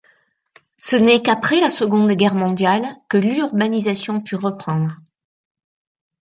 Ce n'est qu'après la Seconde Guerre mondiale que l'urbanisation put reprendre.